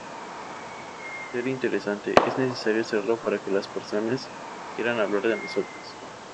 Ser interesante, es necesario serlo para que las personas quieran hablar de nosotros.